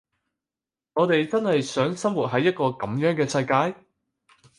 我哋真係想生活喺一個噉樣嘅世界？